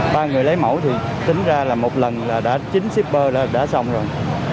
ba người lấy mẫu thì tính ra là một lần là đã chín shipper đã xong rồi